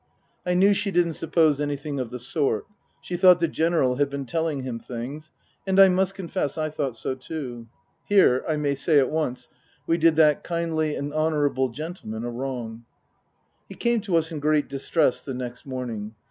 I knew she didn't suppose anything of the sort. She thought the General had been telling him things ; and I must confess I thought so too. Here, I may say at once, we did that kindly and honourable gentleman a wrong. He came to us in great distress the next morning.